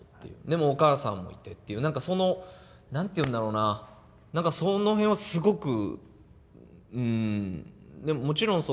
でもお母さんもいてっていう何かその何て言うんだろうな何かその辺はすごく。